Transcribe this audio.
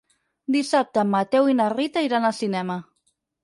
Dissabte en Mateu i na Rita iran al cinema.